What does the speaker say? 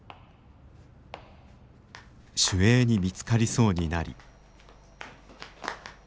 守衛に見つかりそうになり。